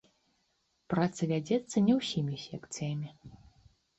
Праца вядзецца не ўсімі секцыямі.